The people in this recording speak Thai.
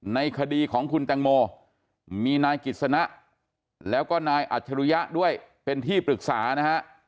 ในคดีของคุณแตงโมมีนายกิจสนะแล้วก็นายอัจฉริยะด้วยเป็นที่ปรึกษานะฮะ